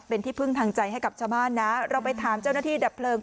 เป็นที่พึ่งทางใจให้กับชาวบ้านนะเราไปถามเจ้าหน้าที่ดับเพลิง